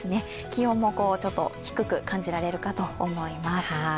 気温も低く感じられるかと思います。